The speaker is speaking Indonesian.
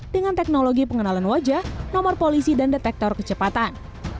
dengan teknologi pengenalan wajah nomor polisi dan detektor kecepatan